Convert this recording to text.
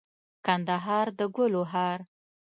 کندهار دګلو هار